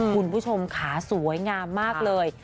คุณผู้ชมค่ะสวยงามมากเลย